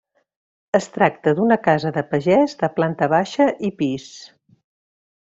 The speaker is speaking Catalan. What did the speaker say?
Es tracta d'una casa de pagès de planta baixa i pis.